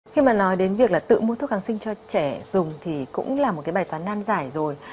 khi mà nói đến việc là tự mua thuốc kháng sinh cho trẻ dùng thì cũng là một cái bài toán nan giải rồi